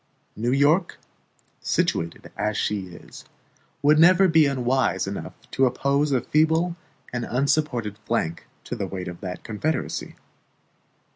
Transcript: New York, situated as she is, would never be unwise enough to oppose a feeble and unsupported flank to the weight of that confederacy.